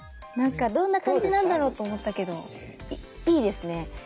どんな感じなんだろうと思ったけどいいですね。